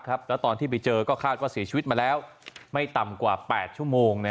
แล้วตอนที่ไปเจอก็คาดว่าเสียชีวิตมาแล้วไม่ต่ำกว่า๘ชั่วโมง